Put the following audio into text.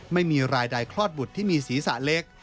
ไม่มีรายใดคลอดบุตรที่มีศีรษะเล็ก